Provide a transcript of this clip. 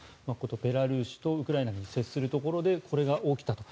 ベラルーシとウクライナと接するところでこれが起きたと。